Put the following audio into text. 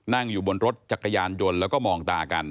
นั่งอยู่บนรถจักรยานยนต์แล้วก็มองตากัน